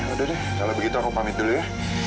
udah deh kalau begitu aku pamit dulu ya